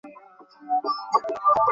কোনকিছু না করে শুধু দেখতে পারিনা?